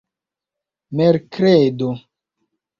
merkredo